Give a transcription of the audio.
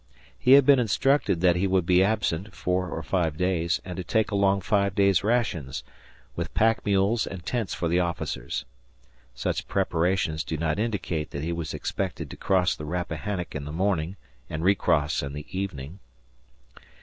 He had been instructed that he would be absent four or five days, and to take along five days' rations, with pack mules and tents for the officers. Such preparations do not indicate that he was expected to cross the Rappahannock in the morning and recross in the evening.